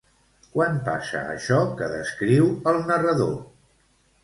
Quan passa això que descriu el narrador?